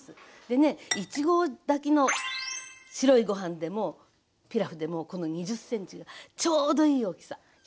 でね１合炊きの白いご飯でもピラフでもこの２０ｃｍがちょうどいい大きさ。